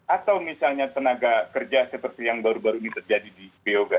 atau misalnya tenaga kerja seperti yang baru baru ini terjadi di beyoga